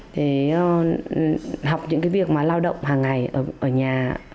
để học những cái việc mà lao động hàng ngày ở nhà